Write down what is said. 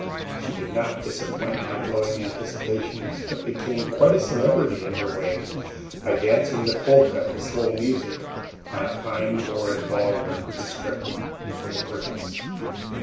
She did not disappoint my glowing anticipations, but became quite a celebrity in her way by dancing the polka to slow music on a pine board ball room constructed for the purpose.